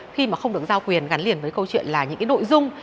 khi mà không được giao quyền gắn liền với câu chuyện là những nội dung